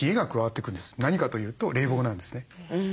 何かというと冷房なんですね。